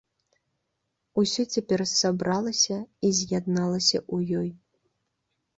Усё цяпер сабралася і з'ядналася ў ёй.